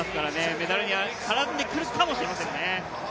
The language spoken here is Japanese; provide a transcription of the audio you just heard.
メダルに絡んでくるかもしれませんね。